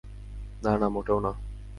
না, না, মোটেও না।